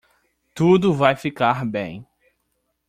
Tudo vai ficar bem.